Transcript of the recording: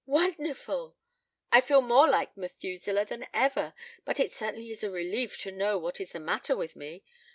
"Wonderful! I feel more like Methuselah than ever. But it certainly is a relief to know what is the matter with me.